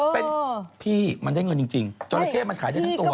เป็นพี่มันได้เงินจริงจราเข้มันขายได้ทั้งตัว